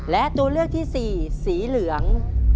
และตัวเลือกที่สี่สีเหลือง